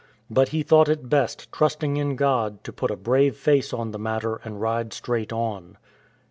But he thought it best, trusting in God, to put a brave face on the matter and ride straight on.